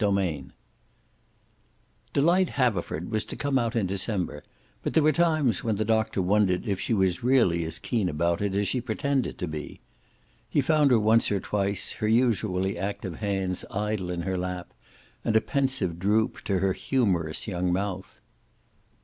CHAPTER X Delight Haverford was to come out in December, but there were times when the Doctor wondered if she was really as keen about it as she pretended to be. He found her once or twice, her usually active hands idle in her lap, and a pensive droop to her humorous young mouth.